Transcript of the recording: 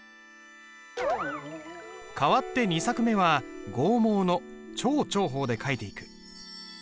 変わって２作目は剛毛の超長鋒で書いていく。